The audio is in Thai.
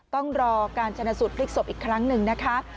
ต้องรอการชนะสูตรพลิกศพอีกครั้งหนึ่งนะคะ